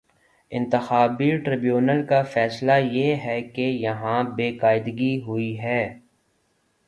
انتخابی ٹربیونل کا فیصلہ یہ ہے کہ یہاں بے قاعدگی ہو ئی ہے۔